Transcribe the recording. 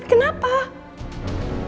ya kenapa tapi kenapa